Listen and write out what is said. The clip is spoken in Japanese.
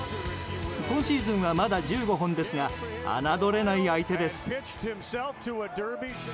今シーズンはまだ１５本ですが侮れない相手です。